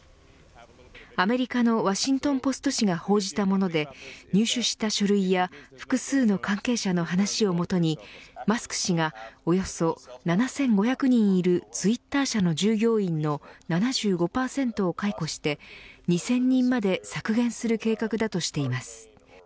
アメリカのワシントン・ポスト紙が報じたもので入手した書類や複数の関係者の話をもとにマスク氏がおよそ７５００人いるツイッター社の従業員の７５％を解雇して２０００人まで削減する計画だとしています。